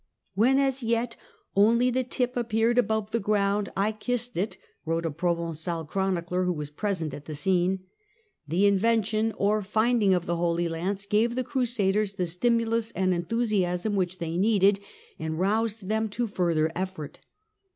" When as yet only the tip appeared above the ground, I kissed it," wrote a Provencal chronicler who was present at the scene. The " Inven tion " or " Finding " of the Holy Lance gave the Crusaders the stimulus and enthusiasm which they needed, and roused them to further effort.